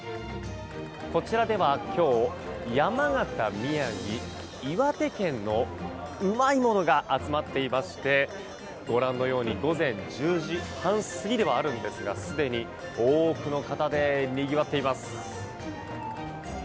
こちらでは今日山形、宮城、岩手県のうまいものが集まっていましてご覧のように午前１０時半過ぎですがすでに多くの方でにぎわっています。